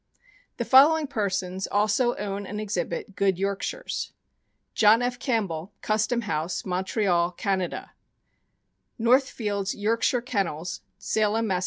The following persons also own and exhibit good York shires: John F. Campbell, Custom House, Montreal, Canada; North Fields Yorkshire Kennels, Salem, Mass.